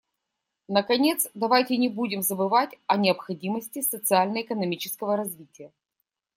Наконец, давайте не будем забывать о необходимости социально-экономического развития.